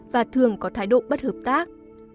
và thường có thái độ bất hợp tác